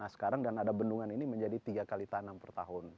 sekarang dan ada bendungan ini menjadi tiga kali tanam per tahun